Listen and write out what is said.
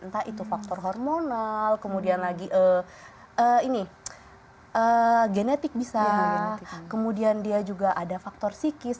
entah itu faktor hormonal kemudian lagi ini genetik bisa kemudian dia juga ada faktor psikis